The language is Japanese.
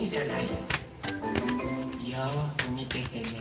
よくみててね。